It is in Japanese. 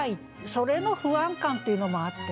それの不安感っていうのもあってね